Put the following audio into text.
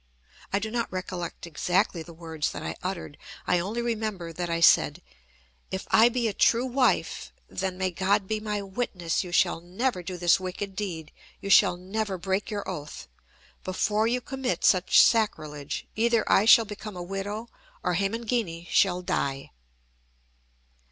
I do not recollect exactly the words that I uttered. I only remember that I said: "If I be a true wife, then, may God be my witness, you shall never do this wicked deed, you shall never break your oath. Before you commit such sacrilege, either I shall become a widow, or Hemangini shall die."